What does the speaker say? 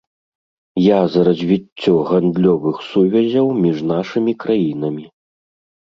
Я за развіццё гандлёвых сувязяў між нашымі краінамі.